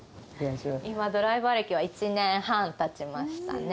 今ドライバー歴は１年半たちましたね